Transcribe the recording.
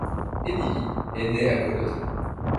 Émilie est née à Cologne.